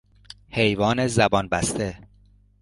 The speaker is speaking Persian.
حیوان زبان بسته